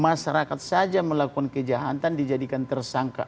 masyarakat saja melakukan kejahatan dijadikan tersangka